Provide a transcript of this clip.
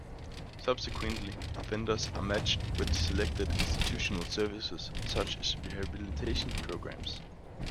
Subsequently, offenders are matched with selected institutional services such as rehabilitation programs.